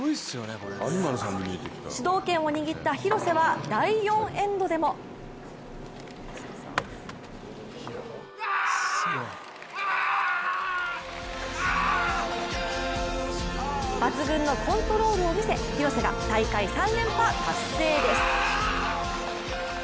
主導権を握った廣瀬は第４エンドでも抜群のコントロールを見せ廣瀬が大会３連覇達成です。